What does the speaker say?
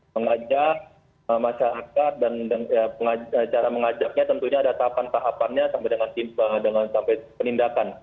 mengajak masyarakat dan cara mengajaknya tentunya ada tahapan tahapannya sampai dengan penindakan